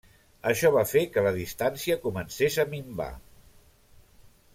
Això va fer que la distància comencés a minvar.